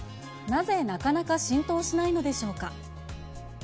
なぜなかなか浸透しないのでしょうか。